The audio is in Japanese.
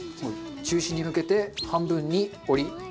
中心に向けて半分に折り包みます。